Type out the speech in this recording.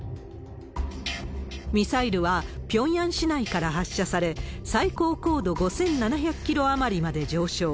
ミサイルはピョンヤン市内から発射され、最高高度５７００キロ余りまで上昇。